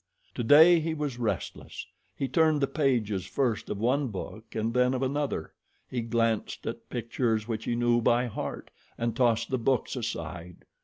Today he was restless. He turned the pages first of one book and then of another. He glanced at pictures which he knew by heart, and tossed the books aside.